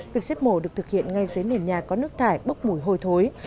việc giếp mổ được thực hiện ngay dưới nền nhà có nước thải bốc mùi hồi thối